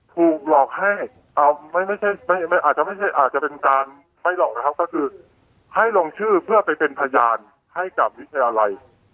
กูหลอกให้อาจจะเป็นการไปหรอกนะครับก็คือให้ลงชื่อเพื่อไปเป็นพยานให้กับวิทยาลัย